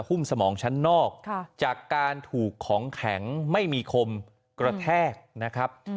สมองชั้นนอกจากการถูกของแข็งไม่มีคมกระแทกนะครับ